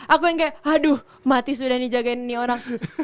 aku yang kayak aduh mati sudah nih jagain ini orang